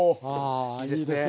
いいですね。